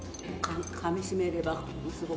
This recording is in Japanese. かみしめればすごく。